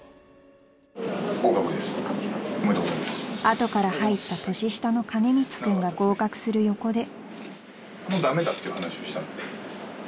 ［後から入った年下の金光君が合格する横で］